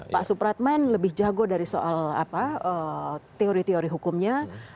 pak supratman lebih jago dari soal teori teori hukumnya